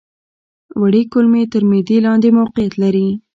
وړې کولمې تر معدې لاندې موقعیت لري.